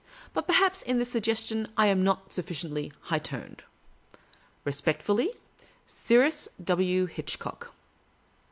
But, perhaps, iu this suggestion I am not suflSciently high toned. " Respectfully, "Cyrus W. Hitchcock."